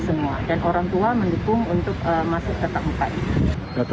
semua dan orang tua mendukung untuk masuk tetap muka